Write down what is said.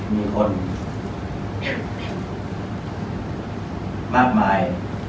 มีคนมากมาย